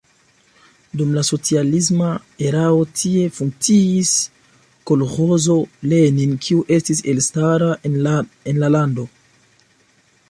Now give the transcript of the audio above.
Dum la socialisma erao tie funkciis kolĥozo Lenin, kiu estis elstara en la lando.